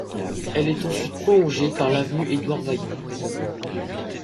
Elle est ensuite prolongée par l'avenue Edouard-Vaillant.